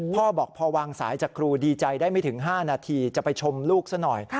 พ่อบอกพอวางสายจากครูดีใจได้ไม่ถึง๕นาทีจะไปชมลูกซะหน่อย